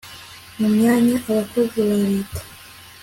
mu myanya abakozi ba leta